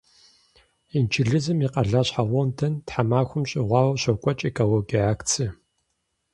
Инджылызым и къалащхьэ Лондон тхьэмахуэм щӏигъуауэ щокӏуэкӏ экологие акцие.